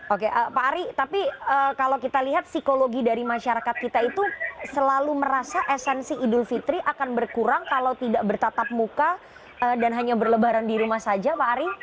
oke pak ari tapi kalau kita lihat psikologi dari masyarakat kita itu selalu merasa esensi idul fitri akan berkurang kalau tidak bertatap muka dan hanya berlebaran di rumah saja pak ari